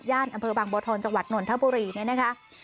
ย่านอำเภอบางบทธรจังหวัดหน่วนทะบุรีนี่นะคะ